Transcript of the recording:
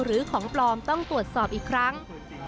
หรือของปลอมต้องตรวจสอบอีกครั้ง